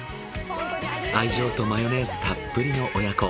愛情とマヨネーズたっぷりの親子。